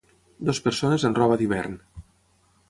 Dues persones en roba d'hivern